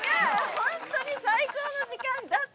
本当に最高の時間だった。